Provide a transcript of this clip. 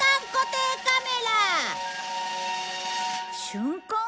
瞬間？